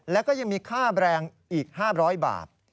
แล้วก็ยังมีค่าแบรนด์อีก๕๐๐บาท